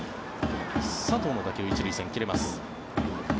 佐藤の打球１塁線、切れます。